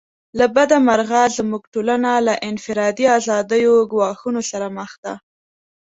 له بده مرغه زموږ ټولنه له انفرادي آزادیو ګواښونو سره مخ ده.